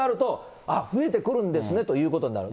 ああ、増えてくるんですねということになる。